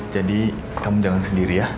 jadi kamu jangan sendiri ya